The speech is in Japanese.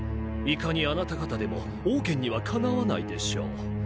いかにあなた方でもオウケンにはかなわないでしょう